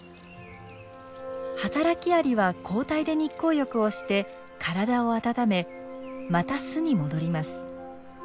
働きアリは交代で日光浴をして体を温めまた巣に戻ります。